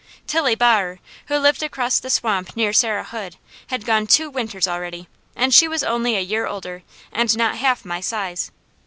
Tilly Baher, who lived across the swamp near Sarah Hood, had gone two winters already, and she was only a year older, and not half my size.